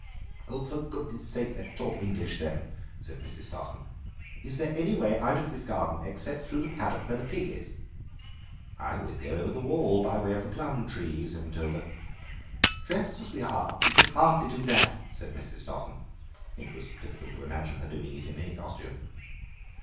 "For goodness' sake let us talk English then," said Mrs. Stossen. "Is there any way out of this garden except through the paddock where the pig is?" "I always go over the wall, by way of the plum tree," said Matilda. "Dressed as we are we could hardly do that," said Mrs. Stossen; it was difficult to imagine her doing it in any costume.